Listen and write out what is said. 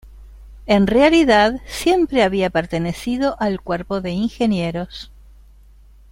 En realidad, siempre había pertenecido al cuerpo de ingenieros.